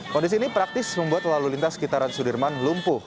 kondisi ini praktis membuat lalu lintas sekitaran sudirman lumpuh